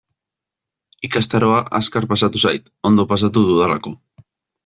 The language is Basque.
Ikastaroa azkar pasatu zait, ondo pasatu dudalako.